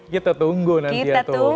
kita tunggu nanti ya tuh